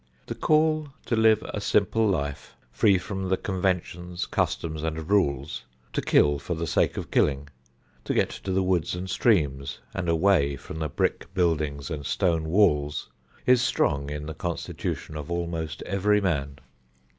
The call to live a simple life, free from the conventions, customs and rules, to kill for the sake of killing, to get to the woods and streams and away from brick buildings and stone walls, is strong in the constitution of almost every man.